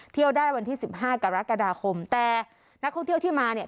เที่ยวได้วันที่สิบห้ากรกฎาคมแต่นักท่องเที่ยวที่มาเนี่ย